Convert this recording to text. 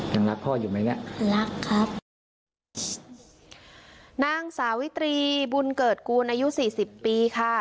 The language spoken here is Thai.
ยังรักพ่ออยู่ไหมเนี่ยรักครับนางสาวิตรีบุญเกิดกูลอายุสี่สิบปีค่ะ